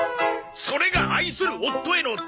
それが愛する夫への態度か！